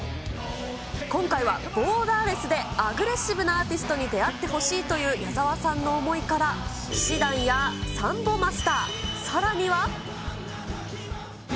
今回はボーダーレスでアグレッシブなアーティストに出会ってほしいという矢沢さんの思いから、氣志團やサンボマスター、さらには。